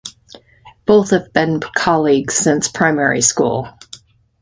Both has been colleagues since primary school.